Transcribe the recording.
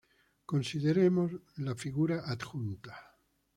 Consideremos la figura adjunta.